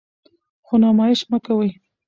خو نمایش مه کوئ.